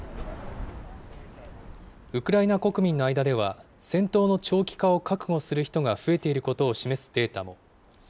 ウクライナ国民の間では戦闘の長期化を覚悟する人が増えていることを示すデータも。